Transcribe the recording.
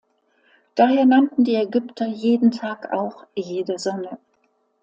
Daher nannten die Ägypter „jeden Tag“ auch „jede Sonne“.